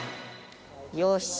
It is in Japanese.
よし。